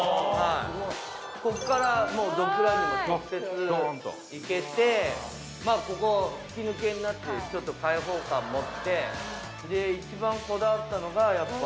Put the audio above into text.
ここからもうドッグランにも直接行けてここ吹き抜けになってちょっと開放感も。